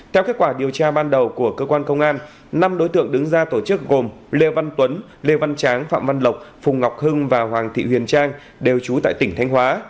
theo kết quả điều tra ban đầu của cơ quan công an năm đối tượng đứng ra tổ chức gồm lê văn tuấn lê văn tráng phạm văn lộc phùng ngọc hưng và hoàng thị huyền trang đều trú tại tỉnh thanh hóa